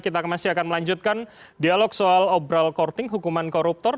kita masih akan melanjutkan dialog soal obral korting hukuman koruptor